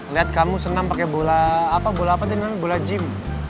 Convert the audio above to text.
liat kamu seneng pake bola apa bola apa itu namanya bola gym